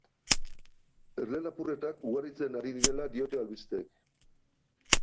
Erle lapurretak ugaritzen ari direla diote albisteek.